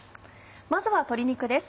まずは鶏肉です。